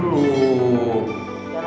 ya langsung duduk gimana